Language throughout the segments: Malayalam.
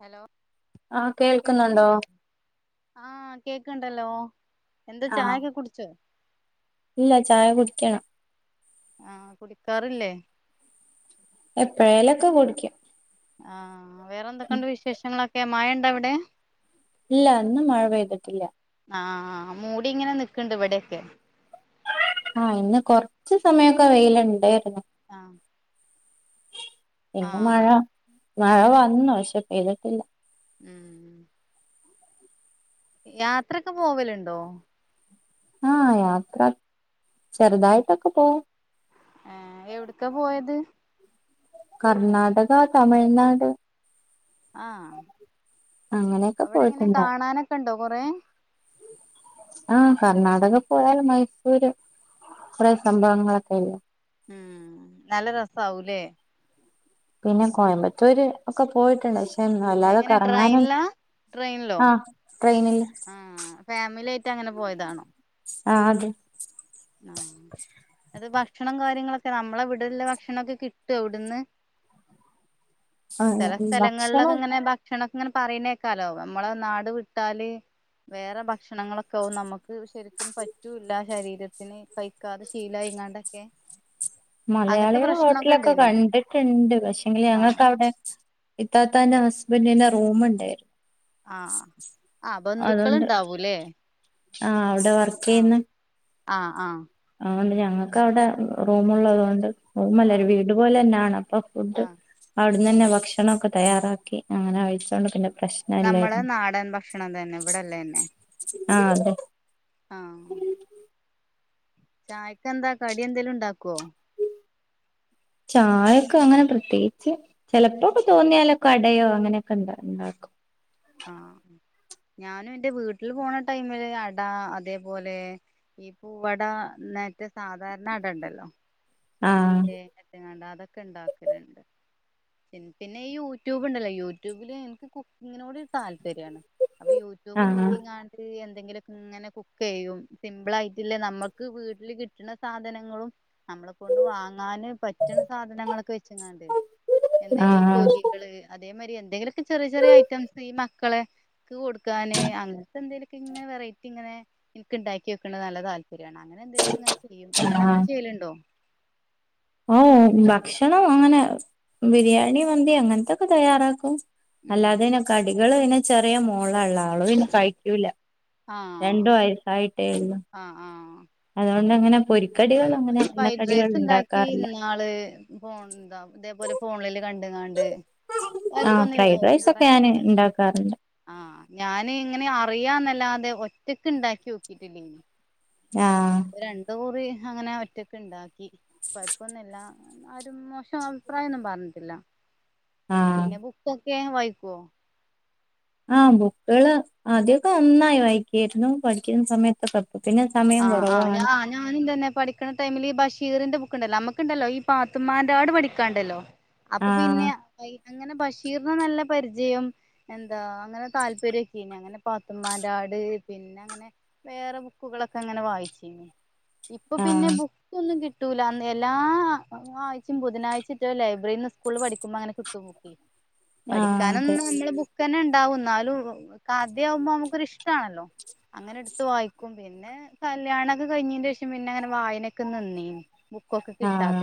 ഹലോ ആഹ് കേൾക്കുന്നുണ്ടോ കേൾക്കില്ലേ ആ കേക്ക്ണ്ടല്ലോ എന്താ ആഹ് ചായൊക്കെ കുടിച്ചോ ഇല്ല ചായ കുടിക്ക്യ ആ കുടിക്കാറില്ലേ എപ്പഴേലൊക്കെ കുടിയ്ക്കും. ആഹ് വേറെ എന്തൊക്കെണ്ട് വിശേഷങ്ങളൊക്കെ? മഴണ്ടൊ അവിടെ? ഇല്ല ഇന്ന് മഴ പെയ്തിട്ടില്ല. ആഹ് മൂടി ഇങ്ങനെ നിക്ക്ണ്ട് ഇവിടൊക്കെ. ആ ഇന്ന് കൊറച്ച് സമയൊക്കെ വെയില് ഇണ്ടേര്ന്ന് ആഹ് പിന്നെ മഴ ആഹ് മഴ ഉം വന്നു പക്ഷെ പെയ്തിട്ടില്ല ഉം യാത്രക്ക പോവലുണ്ടോ ആ യാത്ര ചെറുതായിട്ടൊക്കെ പോവും ആ എവിട്ക്കാ പോയത് കർണാടക തമിഴ്നാട് ആഹ് അങ്ങനെയൊക്കെ അവിടെ എങ്ങനെ പോയിട്ടുണ്ടാവും കാണാനൊക്കെ ണ്ടോ കൊറെ ആഹ് കർണാടക പോയാൽ മൈസൂര് കൊറേ സബവങ്ങളൊക്കെ ഇല്ലേ ഉം നല്ല രസംആവും ല്ലേ പിന്നെ കോയമ്പത്തൂര് ഒക്കെ പോയിട്ടുണ്ട് ഷേ എങ്ങനെ ട്രെയിനിലാ ട്രെയിനിലോ ആഹ് ട്രെയിനിൽ ആ ഫാമിലി ആയി ട്ട് അങ്ങനെ പോയതാണോ ആ അതെ ആ അത് ഭ ക്ഷണം കാര്യങ്ങളൊക്കെ നമ്മളെ ഇവിടെള്ള ഭക്ഷണൊക്കെ കിട്ടൊ വിടുന്ന് ചെല സ്ഥലങ്ങളിലൊക്കെ ഭക്ഷണം ഇങ്ങനെ ഭക്ഷണൊക്കെ ഇങ്ങനെ പറയുന്നേക്കാലോ നമ്മളെ നാട് വിട്ടാല് വേറെ ഭക്ഷണങ്ങളൊക്കെ നമുക്ക് ശരിക്കും പറ്റൂല്ല ശരീരത്തിന് കഴിക്കാതെ ശീലയി ങ്ങാണ്ടൊക്കെ മലയാളികൾ ഹോട്ടലൊക്കെ ഇണ്ടേനോ കണ്ടിട്ടുണ്ട് പക്ഷെങ്കില് ആഹ് ഞങ്ങൾക്ക വിടെ ഇത്താത്തന്റെ ഹസ്ബന്റന്റെ റൂമ്ണ്ട് ആ ആ ബന്ധുക്കൾണ്ടാവൂല്ലേ ആ അവിടെ വർക്ക് ചെയ്യുന്ന ആ ആ അതുകൊണ്ട് ഞങ്ങൾക്ക് അവിടെ റൂമ്ള്ളത്കൊണ്ട് റൂം അല്ല ഒരു ആഹ് വീട് പോലെന്നെയാണ് അപ്പൊ ഫുഡ് ആഹ് അവിടുന്ന് ആഹ് തന്നെ ഭക്ഷണമൊക്കെ തയ്യാറാക്കി അങ്ങനെ കഴിച്ചോണ്ട് പിന്നെ പ്രശ്നം നമ്മള് ഇല്ലായിരുന്നു നാടൻ ഭക്ഷണം തന്നെ ഇവിടെല്ലേന്നെ ആഹ് അതെ ആ ചായക്കെന്താ കടി എന്തേലും ഉണ്ടാക്കോ ഉ ചായക് അങ്ങനെ പ്രത്യേകിച്ച് ചിലപ്പോക്കെ തോന്നിയാലൊക്കെ അടയോ അങ്ങനെയൊക്കെ ണ്ടാക്കും ആഹ ഞാനും എന്റെ വീട്ടില് പോണ ടൈമില് അട അതേപോലെ ഈ പൂവട മറ്റ സാധാരണ ഇ അട ണ്ടല്ലോ ആഹ് തേങ്ങട്ട്ങ്ങാണ്ട് അതൊക്കെ ഇണ്ടാക്കല്ണ്ട് പിന്നെ ഈ യൂട്യൂബ് ഉണ്ടല്ലോ യൂട്യൂബില് എനിക്ക് കുക്കിങ്ങിനോട് താല്പര്യ രാണ് അപ്പൊ യൂട്യൂബ് ആഹ് നോക്കി ങ്ങാണ്ട് എന്തെങ്കിലൊക്കങ്ങനെ കുക്ക് ചെയ്യും സിപിൾ ആയിട്ടില്ല നമ്മുക്ക് വീട്ടിൽ കിട്ടുന്ന സാധനങ്ങളുംനമ്മ വാങ്ങൻ പറ്റണ സാധനങ്ങളൊക്കെ വെച്ച്ങ്ങണ്ട് എന്തേ ആഹ് പൊരികള് അതേ മാരി എന്തെങ്കിലുമൊക്കെ ചെറിയ ചെറിയ ഐറ്റംസ് ഈ മക്കളെക്ക് കൊടുക്കാന് അങ്ങനെ ഇ എന്തെലൊക്കെ ഇങ്ങനെ വെറൈറ്റി ഇങ്ങനെ ഇൻക്ക് ഉണ്ടാക്കി വെക്കത് നല്ല താല് [unintelligible] അങ്ങനെ എന്തെക്കലക്കെങ്ങനെചെയ്യും ഇയാള ആഹ് ങ്ങനെ ചെയ്യലുണ്ടോ ഓ ഭക്ഷണം അങ്ങനെ ബിരിയാണി മന്തി അങ്ങനത്തൊക്കെ തയ്യാറാക്കും ഉം അല്ലാതെന്നെ കടികള് പിന്നെ ചെറിയ മോള ഉള്ള ആളോ പിന്നെ കഴിക്കൂല ആഹ് രണ്ടോ ആയി ആയിട്ടേ ഉള്ളു ആഹ് ആഹ് അതുകൊണ്ട്ങ്ങനെ ഈ ഫ്രൈഡ് റൈസ് ഉണ്ടാക്കി ഉണ്ടാക്കാറില്ല ഇന്നാള് ഫോൺ എന്താ ഇതേപോലെ ഫോണില് കണ്ട്ങ്ങാണ്ട് ആ കയപ്പോന്നും ഇല്ല ഫ്രൈഡ് എ ട റൈസ് ഒക്കെ ങ്ങേറായ ഞാന് [unintelligible] ഉണ്ടാക്കാറുണ്ട് ആഹ ഞാൻ ഇങ്ങനെ അറിയാന്നല്ലാതെ ഒറ്റക്ക് ഉണ്ടാക്കി നോക്കിട്ടില്ലനി ആഹ് അപ്പ രണ്ട കൂറി അങ്ങനെ ഒറ്റൊക്കെ ഉണ്ടാക്കി പപ്പൊന്നുംല്ല ആരും മോശം അഭിപ്രായന്നും പറഞ്ഞിട്ടില്ല ആഹ് പിന്നെ ബുക്കോ കേ വൈകോ ആ ബുക്കുകള് ആദ്യൊക്കെ നന്നായി വായിക്യേരുന്നു പഠിക്കുന്ന സമയത്തൊക്കെ ഇപ്പൊ പിന്നെ സമയം കുറവാണ് ആഹആ ഞാനുംതന്നെ പഠിക്കണ ടൈമിൽ ഈ ഭഷ് ഷീറിന്റെ ബുക്ക്ണ്ടല്ലോ നമുക്ക്ണ്ടല്ലോ ഈ പാത്തുമമാന്റൊട് പഠിക്കാണ്ടല്ലോ അപ്പൊ ആഹ് പിന്നെ അങ്ങനെ ബഷീറിന് നല്ല പരിചയം എന്താ അങ്ങനെ താല്പര്യക്കെ നി അങ്ങനെ പാത്തുമമാന്റൊട് പിന്നെ അങ്ങനെ വേറെ ബുക്കുകളൊക്കെ ങ്ങനെ വായിചിന്നു ഇപ്പൊ പിന്നെ ആഹ് ബുക്ക് ഒന്ന കിട്ടൂല എല്ലാ ആഴ്ചും ബുധനാഴ് റ്റോലൈബ്രറിന്ന് സ്കൂളിൽ പഠിക്കുമ്പോ അങ്ങനെ കിട്ടു ബുക്കേ ആഹ് അതെ പഠിക്കാനെന്ന മ്മള് ബുക്ക് ന്നെണ്ട് ഉണ്ടാവും എന്നാലും കദ്യ ആവുമ്പോ നമുക്കൊരു ഇഷ്ടാണല്ലോ അങ്ങനെ എടുത്ത് വായിക്കും പിന്നെ കല്യാണം ഒക്കെ കഴഞ്ഞിന്റെ ഷം പിന്നെങ്ങനെവായനക്കെ ക ആഹ്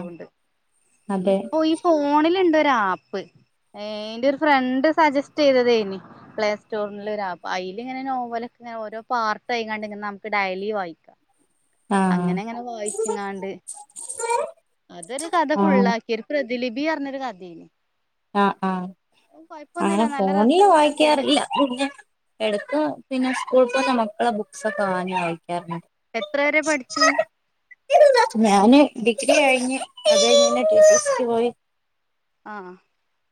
അതെ ആപ്പ് എന്റെ ഒരു ഫ്രണ്ട് സജസ്റ്റ് ചെയ്തതേ ഇനി പ്ലേ സ്റ്റോറി അൽ ഇങ്ങനെ നോവലൊെ ഇങ്ങനെ ഓരോ പാർട്ട്യാണ്ട്ിങ്ങനെ നമുക്ക് ഡയലി വായിക്കാം ആഹ് അങ്ങനെ അങ്ങനെ വായിച്ചിങ്ങാണ്ട് അതൊരു കഥ ആഹ് ഫുള്ളാക്കിയ ഒരു ദിലിപി പറഞ്ഞൊരു ഗദന് ആഹ ആഹ അങ്ങനെ നല്ല ഫോണില് രസമുള്ള കഥയാണ് വായിക്കാറില്ല പിന്നെ എടുത്ത് പിന്നെ സ്കൂൾ ഇ ന മക്കള ബുക്സ് കവാനി ആയി എത്ര വേരെ പഠിച്ചു ഞാന് ഡിഗ്രി കഴിഞ്ഞഞ് അതഴെ ടി സക്ക് പോയി ആഹ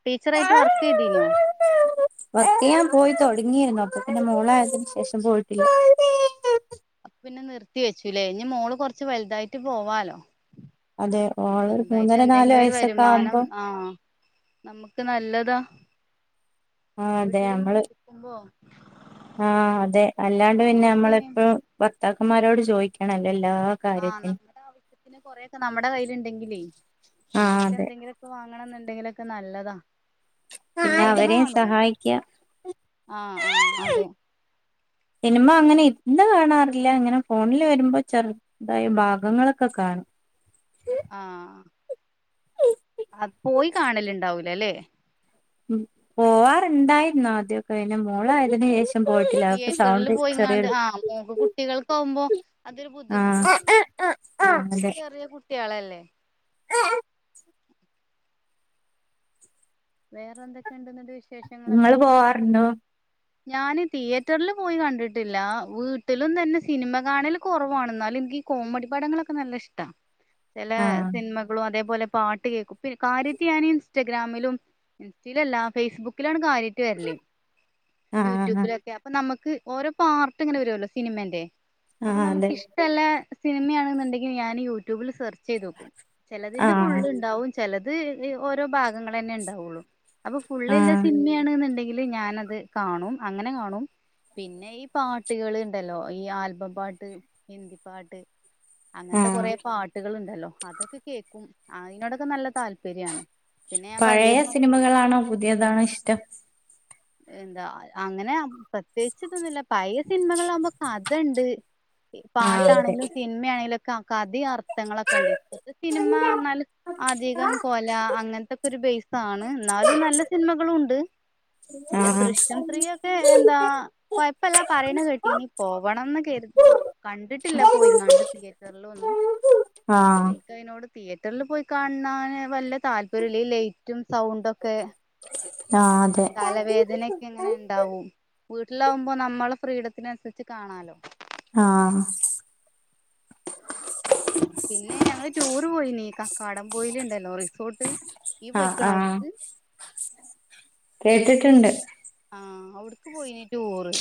ടീച്ചറയിട്ട് വർക്ക് ചെയ്തീനോ വർക്ക് ചെയ്യാൻ പോയി തുൊടങ്ങിരുന്നു അപ്പ പിന്റെ മോളായതിന് ശേഷം പോയിട്ടില്ല എത്തി വെച്ചുലേ ഇനി മോള് കുറച്ച് വലുതായിട്ട് പോവാാലോ അതെ ഓള് സ്വന്തായിട്ട് മൂന്നര നാല് എന്തെങ്കിലും ഒരു വയസ്സൊക്കെ വരുമാനം ആവുമ്പോ ആഹ നമുക്ക് നല്ലതാ ആ വീട്ടിലിങ്ങനെ ഇരിക്കുമ്പോ ആഹ അതെ അല്ലാണ്ട് പിന്നെ നമ്മളെപ്പോഴും വർത്താക്കന്മാരോട് ചോദിക്കണല്ലോ എല്ലാ ആഹ കാര്യത്തിനും നമ്മുടെ ആവശ്യത്തിന് കൊറെൊക്കെ നമ്മടെ കയ്ൽുണ്ടെങ്കിലേ ആ നമ്മക്ക് അതെ എന്തെങ്കിലുമൊക്കെ വാങ്ങണം എന്നുണ്ടെങ്കിലൊക്കെ നല്ലതാ പിന്നെ സിനിമ അവരെയും കാണോ സഹായിക്കുക ആഹ ആഹ അതെ സിനിമ അങ്ങനെ എന്താ കാണാറില്ല ഇങ്ങനെ ഫോണിൽ വരുമ്പോ ചെറുതായ ഭാഗങ്ങളൊക്കെ കാണും [inaudible] ആഹ അത് പോയി കാണലുണ്ടാവൂല അല്ലേ ഉ പോവാറുണ്ടായിരുന്നോ ആദ്യമൊക്കെ അെ മോളയതിനന് ശേഷം പോയിട്ടില്ല അവക്ക് തിയേറ്ററിില് സൗണ്ട് പോയിങ്ങാണ്ട് ചെറിയൊരു ആ് മൂക്ക് കുട്ടികൾക്ക് ആുമ്പോ അതൊരു ആഹ് ബുദ്ധിമുട്ടാുന്നു ചെറിയ കുട്ടികളല്ലേ ആഹ വേറെ എന്തൊക്ക നിങ്ങള് പോവാറുണ്ടു ഞാാന് തിയേറ്ററിില് പോയി കണ്ടിട്ടില്ല വീട്ടിലും തന്നെ സിനിമ കാണല് കുറവാണ എന്നാലും എനിക്ക് ഈ കോമഡി പാടങ്ങളൊക്കെ നല്ല ഇഷ്ടമാണ് ചില ആഹ് സിനിമകളും അതേപോലെ പാട്ട് കേക്കും കാര്യത്തിയാന ഇൻസ്റ്റഗ്രാമിലും ഇൻസ്റ്റയിലല്ല ഫേസ്ബുക്കിലാണ് കാര്യട്ട് വരല്ലേ ആഹ് യൂട്യൂബിലൊക്കെ അപ്പൊ നമുക്ക് ഓരോ പാർട്ട് ഇങ്ങനെ വരുമല്ലോ സിനിമന്റെ അപ്പൊ ആഹ് നമുക്ക് അതെ ഇഷ്ടമല്ല സിനിമയാണെന്നുണ്ടെങ്കിൽ ഞാൻ യൂട്യൂബിൽ സെർച്ച് ചെയ്ത് നോക്കും ചെിലതിന്റെ ആഹ് ഫുള് ഉണ്ടാവും ചിലത് ഓരോ ഭാഗങ്ങളൾ തന്നെ ഉണ്ടാവുള്ളു അപ്പൊ ഫുള്ള്ല്ല ആഹ് സിനിമാണ്ുണ്ടെങ്കിൽ ല് ഞാനത് കാണും അങ്ങനെ കാണും പിന്നെ ഈ പാട്ടുകൾ ഇണ്ടല്ലോ ഈ ആൽബം പാട്ട് ഹിന്ദി പാട്ട് അങ്ങനത്തെ ആഹ് കുറ പാട്ടുകുണ്ടല്ലോ അതൊക്കെ കേക്കും അതിനോടൊക്കെ നല്ല താല്പര്യമാണ് പിന്നെ ഞാൻ പറഞ്ഞില്ലേ പഴയ സിനിമകളാണോ പുതിയതാണോ ഇഷ്ടം എന്താ അങ്ങനെ പ്രത്യേകി ഇതൊന്നുമല്ല പഴയ സിനിമകളാകുമ്പോ കഥ ഉണ്ട് ആഹ് അതെ പാട്ടാണെങ്കലും സിനിമ ആണെങ്കലും കതി അർത്ഥങ്ങളൊക്കെ ഉണ്ട് ഇപ്പത്തെ സിനിമ എന്നാൽ അധികം കൊല അങ്ങനത്തെക്കെ ഒരു ബാണ് എന്നാലും നല്ല സിനിമകള ഉണ്ട് പിന്നെ ആഹ് ദൃശ്യം സ്ത്രീൊക്കെ എന്താ കൊഴപ്പല്ലാ പറയണ കേട്ടി ഇനി പോവണംന്ന് കരുതി കണ്ടിട്ടില്ല പോയിങ്ങാണ്ട് തിയേറ്ററൽ ഒന്നും ആഹ് എനക്ക് അതിനോട് തിയേറ്ററിൽ പോയി കാണാന് വല്ല താല്പര്യംല്ല ഈ ലൈറ്റും സൗണ്ടൊക്കെ അതെ തലവേദനൊക്കെ എങ്ങനെ ഉണ്ടാവും വീട്ടിലാകുമ്പോൾ നമ്മള ഫ്രീഡത്തിനനുസരിച്ച് കാണാലോ ആഹ പിന്നെ ഞങ്ങള് ടൂര് പോയിന്ീ കക്കാടം പോയിലുണ്ടല്ലോ റിസോർട്ട് ീ ആഹ് പോയിക്കണോ ആഹ് അവിടുച്ച് കേട്ടിട്ടുണ്ട് ആ അവിടക്ക് പോയിന് ടൂറ്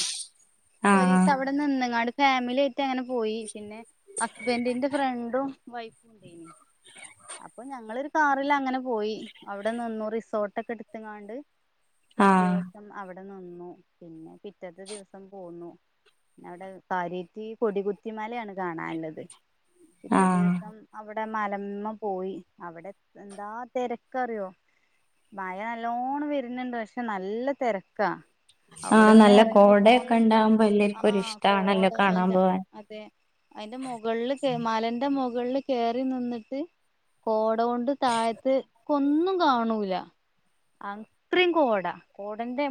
ഒരു ആഹ് ദിവസം അവിടെ നിന്നങ്ങാ ഫാമിലി അങ്ങനെ പോയി പിന്നെ ഹസ്ബൻഡന്റെ ഫ്രണ്ടും വൈഫും ഉണ്ടനി അപ്പൊ ഞങ്ങളൊരു കാറൽ അങ്ങനെ പോയി അവിടെന്ന്ന്നു റിസോർട്ടൊക്കെ എടുത്തങ്ങാണ്ട് ഒരു ആഹ ദിവസം അവിടെ നിന്നു പിന്നെ പിറ്റത്തെ ദിവസം പോന്നു പിന്നവിടെ കാരേറ്റി കൊടികുത്തി മലയാണ് കാണാനുള്ളത് ഇറ്റേ ആഹ് ദിവസം അവിടെ അവിടെ മലമ്മ പോയി അവിടെ എന്താ തിരക്ക അറിയോ മഴ നല്ലോണ്ണം വരുന്നുണ്ട് പക്ഷെ നല്ല തിരക്കാ ആഹ അവിടുന്ന് നല്ല ഇറങ്ങി കോടയൊക്കെ പോന്നപ്പോ ഉണ്ടകുമ്പോ എല്ലർക്കും ഒരി ആഹ് കോട ഇഷ്ടമാണല്ലോ കാണാൻ അയിന്റെ പോവാൻ അതെ അതിന്റെ മുകളില് കേമാലന്റെ മുകൾ ുകളിൽ കയറി നിന്നിട്ട് കോട കൊണ്ട് താഴത്ത് ഒന്നും കാണൂല അത്രയും കോടാ കോടന്റെ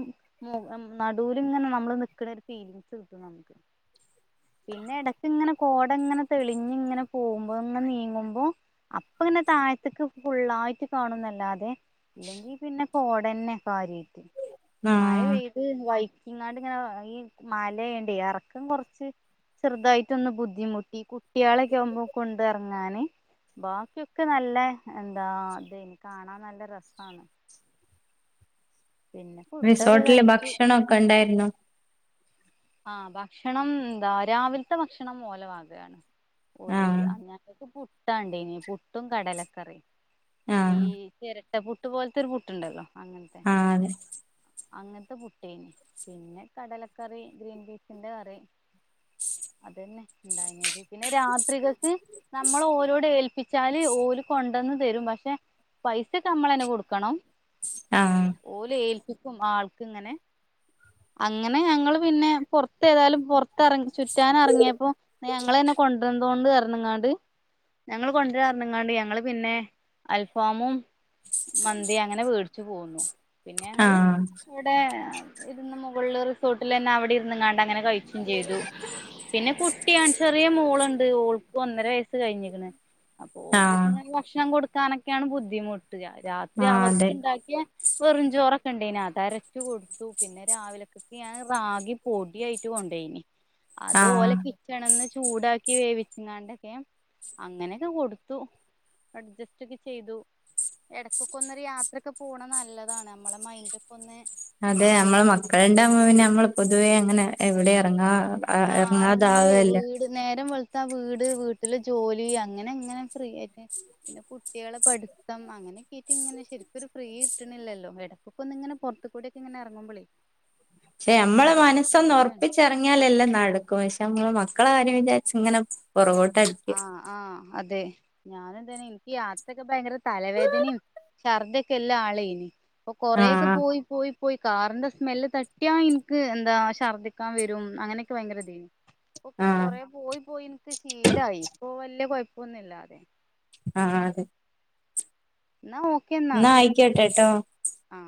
നടുൂൽ ഇങ്ങനെ നമ്മള് നിക്കണ ഒരു ഫീലിങ് കിട്ടും നമുക്ക് പിന്നെ ഇടക്ക് ഇങ്ങനെ കോട ഇങ്ങനെ തെളിഞ്ഞ ഇങ്ങനെ പോകുമ്പോ ഇങ്ങനെ നീങ്ങുമ്പോ അപ്പൊ പിന്നെ താഴത്തക്ക് ഫുുള്ളായിട്ട് കാണുന്നല്ലാതെ അല്ലെങ്കിൽ പിന്നെ കോടന്നെ ഒക്കെ ആാര്ട്ട് മഴ ആഹ് പെയ്ത് വൈ ഇങ്ങാട് ഇങ്ങനെ ഈ മാലയ്യണ്ട ഇറക്കം കുറച്ച് ചെറുതായിട്ടൊന്ന് ബുദ്ധിമുട്ടി കുട്ടികളൊക്കെ ആകുമ്പോൾ കൊണ്ട ഇറങ്ങാാന് ബാക്കിയൊക്കെ നല്ല എന്താ ഇത എനി കാണാൻ നല്ല രസമാണ് ഫുഡൊക്കെ റിസോർട്ടിലെ കഴിച്ചു ഭക്ഷണ ഒക്കെ ഇണ്ടായിരുന്നു ആഹ ഭക്ഷണം എന്താ രാവിലത്തെ ഭക്ഷണം മഓലെ ആകുകയാണ് ഓല ആഹ് ങ്ങക്ക് പുട്ടാണ്ട ഇനി പുട്ടും കടലക്കറി ഈ ആഹ് ചിരട്ട പുുട്ട് പോലത്തെൊരു പുട്ടുണ്ടല്ലോ അങ്ങനത്തെ ആഹ അതെ അങ്ങനത്തെ പുട്ടേന പിന്നെ കടലക്കറി ഗ്രീൻ ബീഫന്റെ കറ അത്ന്നെ ഉണ്ടായിത് പിന്നെ ത്രികക്ക് നമ്മൾ ഓരോട ഏൽപ്പിച്ച വച്ചാല് ഓല് കൊണ്ടന്നന്ന് തരും പക്ഷെ പൈസക്കെ നമ്മളന്നെ കൊടുക്കണം ആഹ് ും ആൾക്ക ഇങ്ങനെ അങ്ങനെ ഞങ്ങൾ പിന്നെ പുറത്തേതായാലുംറത്ത് ചുറ ചുറ്റാൻ ഇറങ്ങിയപ്പോ ഞങ്ങള് തന്നെ കൊണ്ടുവന്നോണ്ട് കരണങ്ങാട് ഞങ്ങള്ൾ കൊണ്ട് തരണങ്ങാണ്ട് ഞങ്ങള് പിന്നെ അൽഫാമും മന്തി അങ്ങനെ മേടിച്ചു പോകുന്നു പിന്നെ ഞങ്ങള് ആഹ് ഇവിടെ ഇരുന്ന് മുകളള് റിസോർട്ടിൽ തന്നെ അവിടെ ഇരുന്ന്ങ്ങാണ്ട അങ്ങനെ കഴിച്ചും ചെയ്തു പിന്നെ കുട്ടിയാണ് ചെറിയ മോളുണ്ട് ഓൾക്ക് ഒന്നര വയസ്സ് കഴിഞ്ഞിരിക്കണ് അപ്പോൊപ്പൊക്ക ആഹ് ഇങ്ങനെ ഭക്ഷണം കൊടുക്കാനൊക്കെയാണ് ബുദ്ധിമുട്ടുക രാത്രി ആഹ് അവർക്ക് അതെ ഉണ്ടാക്കിയ വെറുംചോറൊക്കെ ഉണ്ടേെ അത് അരച്ചു കൊടുത്തു പിന്നെ രാവിലൊക്കൊക്കെ ഞാൻ ാകി പൊടിയായിട്ട് കൊണ്ട ആഹ് അത്പലെ കിച്ചണ ചൂടാക്കി വേവിച്ചാണ്ടൊക്കെ അങ്ങനെയൊക്കെ കൊടുത്തു അഡ്ജസ്റ്റ് ചെയ്തു ഇടക്കൊക്കെ ഒന്നൊരു യാത്രൊക്കെ പോകണ നല്ലതാണ് നമ്മളെ മൈന്ഡ ഒക്കെ ഒന്ന് അതെ നമ്മള മക്കളുണ്ടമ്മ പിന്നെ നമ്മൾ പൊതുവേ അങ്ങനെ എവിടെ ഇറങ്ങാ ആഹ് അറങ്ങൂലേ വീട് നേരം വള വീട് വീട്ടില് ജോലി അങ്ങനെ എങ്ങനെ ഫീയിട്ട് പിന്നെ കുട്ടികളെ പഠിത്തം അങ്ങനെൊക്കെയിട്ട് ഇങ്ങനെ ശരിക്കുംൊരു ഫ്രീ കിട്ടണില്ലല്ലോ എടപ്പൊക്കെ ഒന്ന ഇങ്ങനെറ മത്ത കൂടി ഒക്കെ ഇങ്ങെനെ ഇറങ്ങുമ്പോളേ പക്ഷെ നമ്മളെ ഒരു മനസ്സൊന്ന് എൻജോയ്മെന്റ് ആണ് ഉറപ്പിച്ചിറങ്ങിയാലല്ലേ നടക്കും പക്ഷെ നമ്മൾ മക്കളെ കാര്യ വിചാരിച്ച് ഇങ്ങനെ പുറകോട്ട് ആഹ ആഹ അതെ ഞാനും എനിക്ക് യാത്രൊക്കെ ഭയങ്കര തലവേദനയും ശർദ്ദൊക്കെ ഉള്ള ആളായി ന് അപ്പൊ കൊറേയൊക്കെ ആഹ് പോയി പോയി പോയി കാറിന്റെ സ്മെല്ല് തട്ടിയാ എനിക്ക് എന്താ ഛർദ്ദിക്കാൻ വരും അങ്ങനെയൊക്കെ ഭയങ്കരതാണ് ഇപ്പൊ ആഹ് കൊറ പോയി പോയി എനിക്ക് ശീലമായി ഇപ്പൊ വല്യ കൊഴപ്പൊന്നുമില്ലാതെ ആഹ് അതെ എന്നാ എന്നാ ആയിക്കോട്ടെട്ടോ ആ